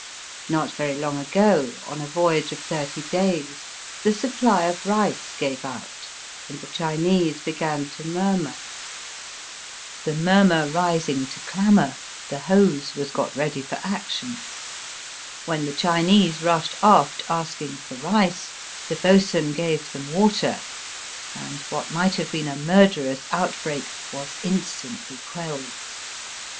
Not very long ago, on a voyage of thirty days, the supply of rice gave out and the Chinese began to murmur. The murmur rising to clamour, the hose was got Digitized by VjOOQIC 180 EAST BY WEST. ready for action. When the Chinese rushed aft asking for rice the bo'sun gave them water, and what might have been a murderous out break was instantly quelled.